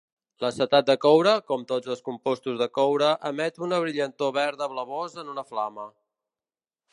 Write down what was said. L'acetat de coure, com tots els compostos de coure, emet una brillantor verda blavosa en una flama.